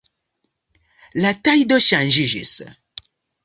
La tajdo ŝanĝiĝis.